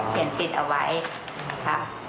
เปลี่ยนติดเอาไว้ค่ะ